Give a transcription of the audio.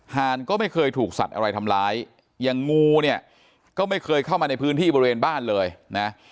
หานก็ไม่เคยถูกสัตว์อะไรทำร้ายอย่างงูเนี่ยก็ไม่เคยเข้ามาในพื้นที่บริเวณบ้านเลยนะ